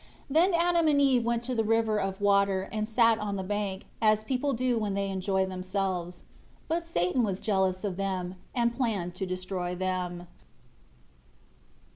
13 Then Adam and Eve went to the river of water, and sat on the bank, as people do when they enjoy themselves. 14 But Satan was jealous of them; and planned to destroy them.